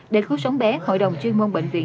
để cứu sống bé hội đồng chuyên môn bệnh viện